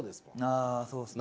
あそうですね。